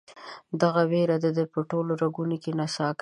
دغه ویر د ده په ټولو رګونو کې نڅا کوي.